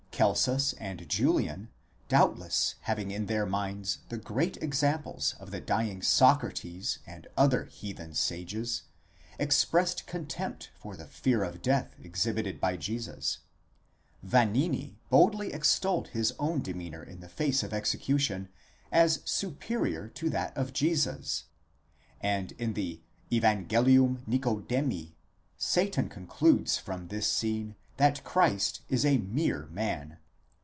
Celsus and Julian, doubtless having in their minds the great examples of a dying Socrates and other heathen sages, expressed contempt for the fear of death exhibited by Jesus ;*; Vanini boldly extolled his own demeanour in the face of execution as superior to that of Jesus;* and in the Zvangelium Nicodemt, Satan concludes from this scene that Christ is a mere man.